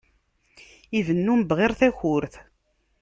Ibennu mebɣir takurt.